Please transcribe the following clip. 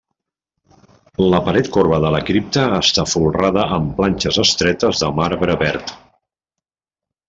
La paret corba de la cripta està folrada amb planxes estretes de marbre verd.